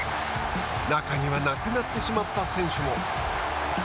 中にはなくなってしまった選手も。